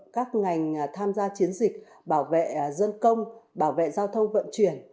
các ngành tham gia chiến dịch bảo vệ dân công bảo vệ giao thông vận chuyển